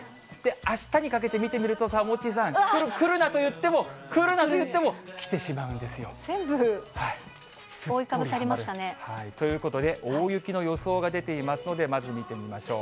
あしたにかけて見てみると、さあ、モッチーさん、くるなといっても、くるなと言っても来てしまうんですよ。ということで、大雪の予想が出ていますので、まず見てみましょう。